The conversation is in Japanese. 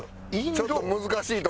ちょっと難しい所。